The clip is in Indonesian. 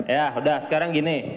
ya sudah sekarang gini